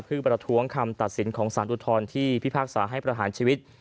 เพื่อประท้วงคำตัดสินของสารอุทธรณ์ที่พิพากษาให้ประหารชีวิต